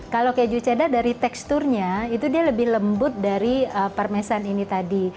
kalau keju ceda dari teksturnya itu dia lebih lembut dari parmesan ini tadi